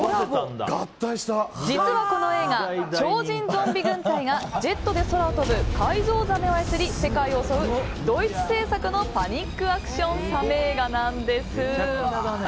実はこの映画、超人ゾンビ軍隊がジェットで空を飛ぶ改造ザメを操り世界を襲うドイツ制作のパニックアクションサメ映画なんです。